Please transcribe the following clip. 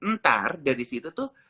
ntar dari situ tuh